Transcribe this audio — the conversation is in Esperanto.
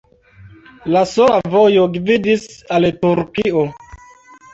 La sola vojo gvidis al Turkio.